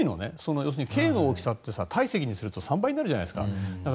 要するに、大きさって体積にすると３倍になるじゃないですか。